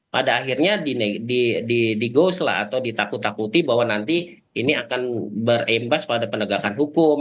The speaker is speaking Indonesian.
pada akhirnya digose lah atau ditakut takuti bahwa nanti ini akan berimbas pada penegakan hukum